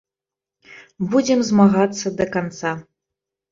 Будзем змагацца да канца.